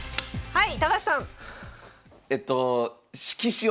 はい。